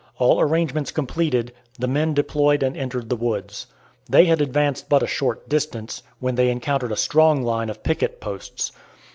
All arrangements completed, the men deployed and entered the woods. They had advanced but a short distance, when they encountered a strong line of picket posts.